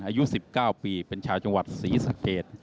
อายุ๑๙ปีเป็นชาวจังหวัดศรีสะเกด